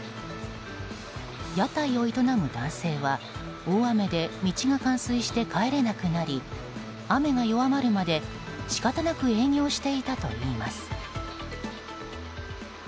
屋台を営む男性は大雨で道が冠水して帰れなくなり雨が弱まるまで仕方なく営業していたといいます。